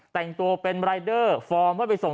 แต่งตัวเป็นรายเดอร์ฟอร์มเพื่อไปส่ง